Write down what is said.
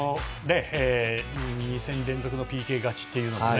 ２戦連続のＰＫ勝ちというのもね